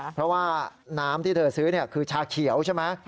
เพราะว่าน้ำที่เธอซื้อคือชาเขียวใช่ไหม